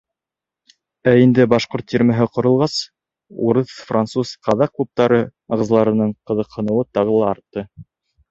Ә инде башҡорт тирмәһе ҡоролғас, урыҫ, француз, казак клубтары ағзаларының ҡыҙыҡһыныуы тағы ла артты.